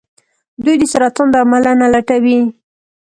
دوی د سرطان درملنه لټوي.